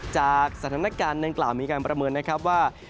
จากสถานการณ์เดนกราบมีการประเมินว่า